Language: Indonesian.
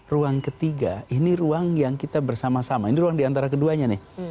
ruang ketiga ini ruang yang kita bersama sama ini ruang diantara keduanya nih